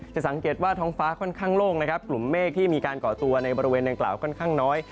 สังเกตว่าท้องฟ้าค่อนข้างโล่งนะครับกลุ่มเมฆที่มีการก่อตัวในบริเวณดังกล่าวค่อนข้างน้อย